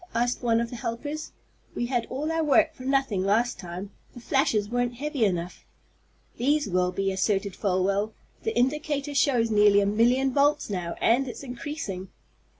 asked one of the helpers. "We had all our work for nothing last time. The flashes weren't heavy enough." "These will be," asserted Folwell. "The indicator shows nearly a million volts now, and it's increasing."